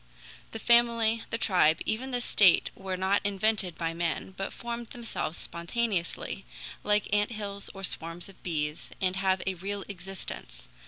The family, the tribe, even the state were not invented by men, but formed themselves spontaneously, like ant hills or swarms of bees, and have a real existence.